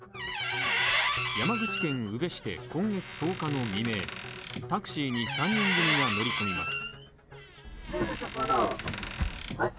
山口県宇部市で、今月１０日の未明、タクシーに３人組が乗り込みます。